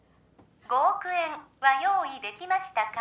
５億円は用意できましたか？